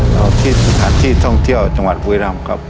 เหรอ